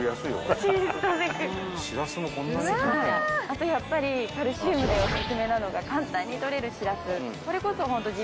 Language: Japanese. あとやっぱりカルシウムでおすすめなのが簡単に取れるしらす。